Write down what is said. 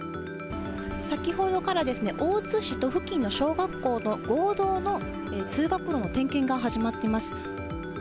先ほどから、大津市と付近の小学校との合同の通学路の点検が始まっています。